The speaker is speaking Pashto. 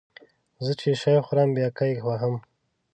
زه چې شی خورم بیا کای وهم